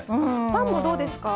パンもどうですか？